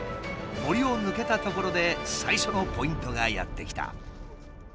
森を抜けたところで最初のポイントがやって来た。